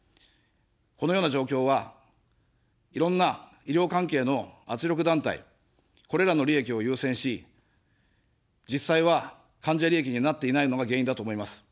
このような状況は、いろんな医療関係の圧力団体、これらの利益を優先し、実際は患者利益になっていないのが原因だと思います。